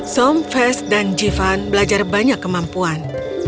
som fes dan jivan belajar banyak kemampuan